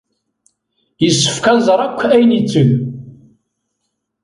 Yessefk ad nẓer akk ayen yetteg.